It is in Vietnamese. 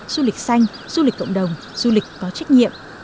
du lịch xanh du lịch cộng đồng du lịch có trách nhiệm